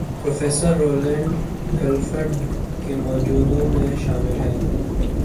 Professor Roland Clift کے موجدوں میں شامل ہیں۔